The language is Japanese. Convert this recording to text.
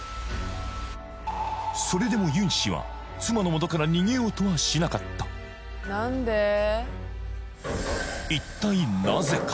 それでもユン氏は妻のもとから逃げようとはしなかった何でー？